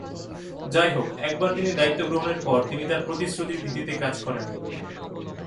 যাইহোক, একবার তিনি দায়িত্ব গ্রহণের পর, তিনি তাঁর প্রতিশ্রুতির ভিত্তিতে কাজ করেন।